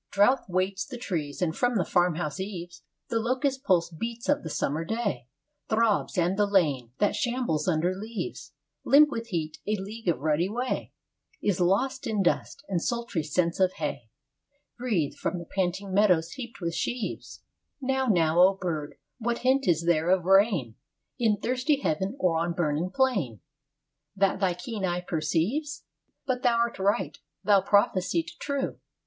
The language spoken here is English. II Drouth weights the trees, and from the farm house eaves The locust, pulse beat of the summer day, Throbs; and the lane, that shambles under leaves Limp with the heat a league of rutty way Is lost in dust; and sultry scents of hay Breathe from the panting meadows heaped with sheaves Now, now, O bird, what hint is there of rain, In thirsty heaven or on burning plain, That thy keen eye perceives? III But thou art right. Thou prophesiest true.